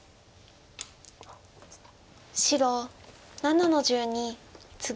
白７の十二ツギ。